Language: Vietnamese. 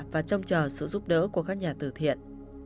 và trông chờ sự giúp đỡ của các nhà tử thiện